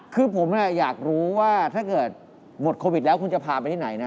คือผมอยากรู้ว่าถ้าเกิดหมดโควิดแล้วคุณจะพาไปที่ไหนนะ